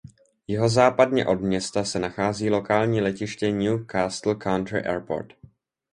Jihozápadně od města se nachází lokální letiště New Castle County Airport.